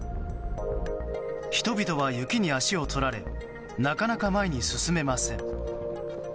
人々は雪に足を取られなかなか前に進めません。